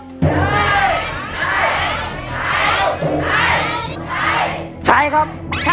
ใช้ใช้ใช้ใช้ใช้